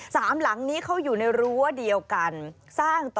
สามหลังนี้เขาอยู่ในรั้วเดียวกัน